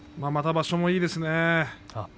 場所もいいですね。